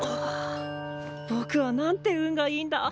ぼくはなんて運がいいんだ！